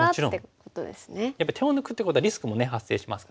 やっぱり手を抜くってことはリスクも発生しますからね。